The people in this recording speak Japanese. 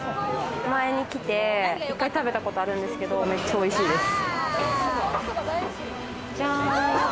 前に来て１回食べたことあるんですけど、めっちゃおいしいです。